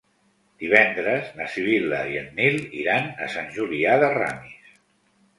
Divendres na Sibil·la i en Nil iran a Sant Julià de Ramis.